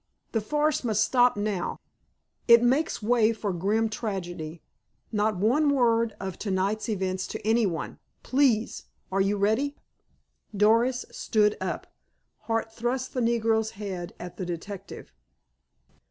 The farce must stop now. It makes way for grim tragedy. Not one word of to night's events to anyone, please.... Are you ready?" Doris stood up. Hart thrust the negro's head at the detective.